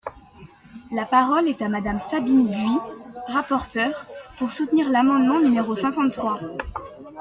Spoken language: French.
La parole est à Madame Sabine Buis, rapporteure, pour soutenir l’amendement numéro cinquante-trois.